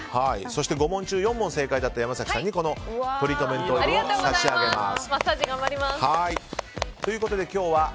そして５問中４問正解だった山崎さんにこのトリートメントオイルを差し上げます。